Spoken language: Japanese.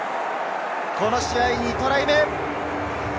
この試合、２トライ目。